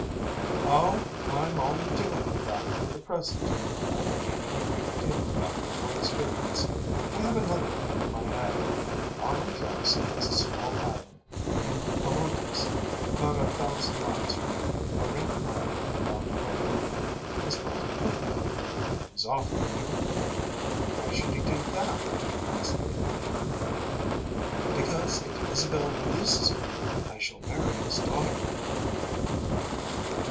"Oh, I'm only doing that for the present, and I'm gaining a great deal of valuable experience. I have another plan in my head. Arnold Jackson has a small island in the Paumotas, about a thousand miles from here, a ring of land round a lagoon. He's planted coconut there. He's offered to give it me." "Why should he do that?" asked Bateman. "Because if Isabel releases me I shall marry his daughter."